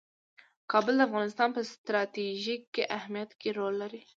کابل د افغانستان په ستراتیژیک اهمیت کې رول لري.